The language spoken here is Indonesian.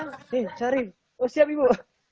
nih syarif oh siap ibu